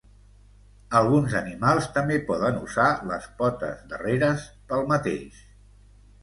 Alguns animals també poden usar les potes darreres pel mateix.